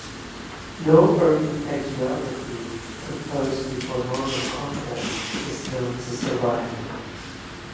No early hagiography, composed before Norman Conquest, is known to survive.